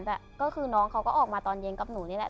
แต่ก็คือน้องเขาก็ออกมาตอนเย็นกับหนูนี่แหละ